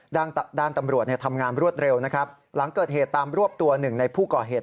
ด้านตำรวจทำงานรวดเร็วหลังเกิดเหตุตามรวบตัว๑ในผู้ก่อเหตุ